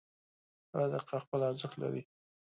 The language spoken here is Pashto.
• هره دقیقه خپل ارزښت لري.